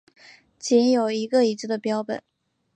仅有一个已知的标本。